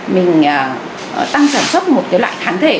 mình tăng sản xuất một cái loại thán thể